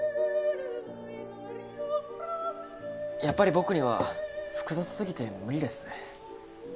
やっぱり僕には複雑過ぎて無理です。